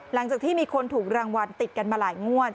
หลังจากที่มีคนถูกรางวัลติดกันมาหลายงวด